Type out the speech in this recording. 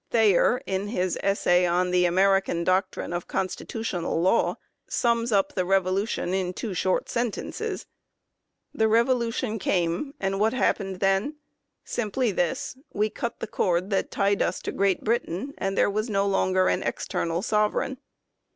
Thayer, in his essay on the "American Doctrine of Constitutional Law," sums up the Revolution in two short sentences : "The Revolution came, and what happened then? Simply this : we cut the cord that tied us to Great Britain, and there was no longer an external sove reign."